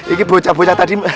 ini bocah bocah tadi